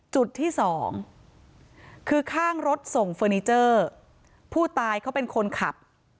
จุดที่สองคือข้างรถส่งเฟอร์นิเจอร์ผู้ตายเขาเป็นคนขับ